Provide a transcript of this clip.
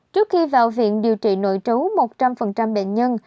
trước khi vào viện điều trị nội trú một trăm linh bệnh nhân